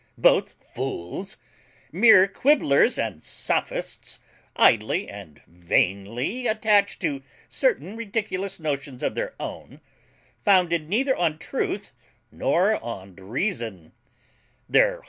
Both fools, mere quibblers and sophists, idly and vainly attached to certain ridiculous notions of their own, founded neither on truth nor on reason.